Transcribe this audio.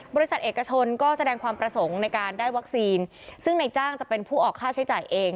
บริษัทเอกชนก็แสดงความประสงค์ในการได้วัคซีนซึ่งในจ้างจะเป็นผู้ออกค่าใช้จ่ายเอง